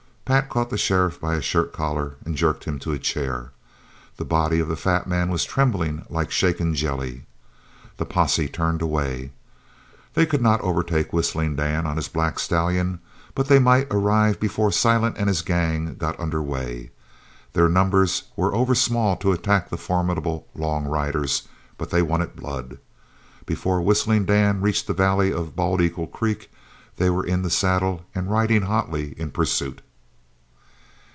Pat caught the sheriff by his shirt collar and jerked him to a chair. The body of the fat man was trembling like shaken jelly. The posse turned away. They could not overtake Whistling Dan on his black stallion, but they might arrive before Silent and his gang got under way. Their numbers were over small to attack the formidable long riders, but they wanted blood. Before Whistling Dan reached the valley of Bald eagle Creek they were in the saddle and riding hotly in pursuit.